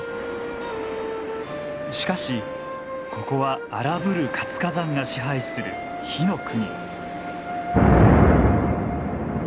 しかしここは荒ぶる活火山が支配する火の国。